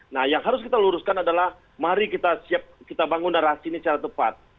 nah yang harus kita luruskan adalah mari kita siap kita bangun narasi ini secara tepat